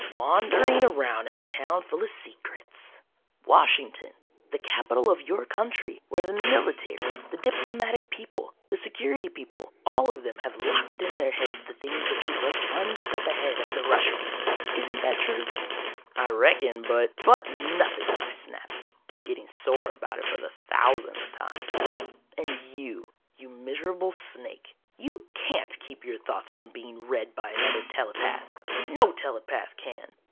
"Wandering around in a town full of secrets Washington, the capital of your country, where the military, the diplomatic people, the security people, all of them have locked in their heads the things that keep us one step ahead of the Russians. Isn't that true?" "I reckon. But " "But nothing," I snapped, getting sore about it for the thousandth time. "And you, you miserable snake, you can't keep your thoughts from being read by another telepath. No telepath can.